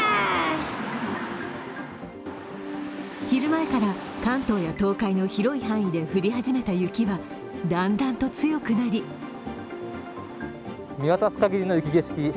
昼前から関東や東海の広い範囲で降り始めた雪はだんだんと強くなり見渡すかぎりの雪景色